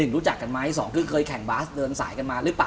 รู้จักกันไหมสองคือเคยแข่งบาสเดินสายกันมาหรือเปล่า